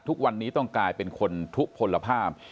ทุกวันนี้ต้องกลายเป็นคนทุกผลภาพ